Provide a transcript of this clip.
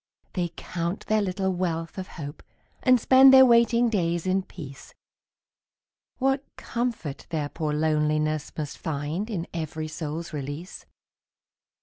They count their little wealth of hope And spend their waiting days in peace, What comfort their poor loneliness Must find in every soul's release!